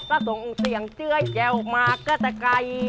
ก็ส่งเสียงเจื้อยแจ้วมาก็จะไกล